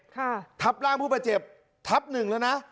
ค่ะทับร่างผู้ประเจ็บทับหนึ่งแล้วนะ